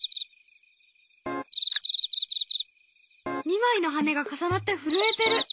２枚の羽が重なって震えてる！